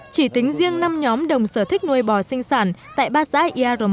chỉ tính riêng năm nhóm đồng sở thích nuôi bò sinh sản tại ba xã iaroma